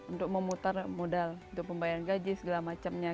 untuk memutar modal untuk pembayaran gaji segala macamnya